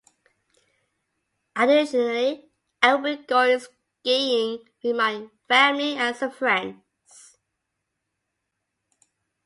Additionally, I will be going skiing with my family and some friends.